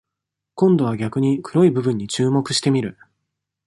今度は逆に、黒い部分に注目してみる。